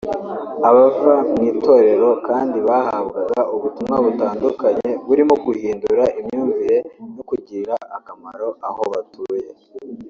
Abava mu itorero kandi bahabwaga ubutumwa butandukanye burimo guhindura imyumvire no kugirira akamaro aho batuye